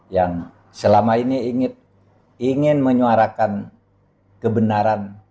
yang selama ini ingin menyuarakan kebenaran